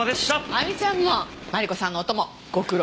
亜美ちゃんもマリコさんのお供ご苦労！